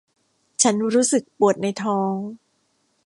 ฉันรู้สึกปวดในท้อง